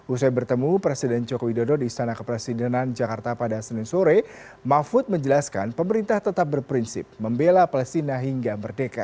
usai bertemu presiden joko widodo di istana kepresidenan jakarta pada senin sore mahfud menjelaskan pemerintah tetap berprinsip membela palestina hingga merdeka